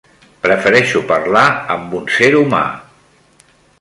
Prefereixo parlar amb un ser humà.